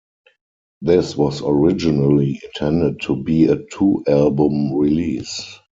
This was originally intended to be a two album release.